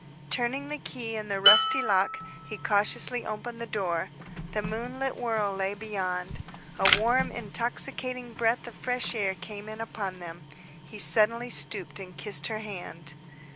Turning the key in the rusty lock, he cautiously opened the door. The moonlit world lay beyond. A warm, intoxicating breath of fresh air came in upon them. He suddenly stooped and kissed her hand.